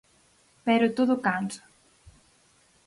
Pero todo cansa.